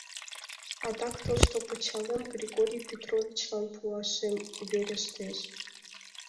— Адак тошто пычалем Григорий Петровичлан пуашем верештеш.